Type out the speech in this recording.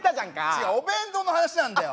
違うお弁当の話なんだよ！